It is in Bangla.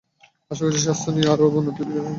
আশা করছি স্বাস্থ্য আরো অবনতির দিকে যাবে না।